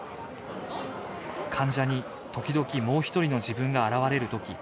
患者に時々もう１人の自分が現れる時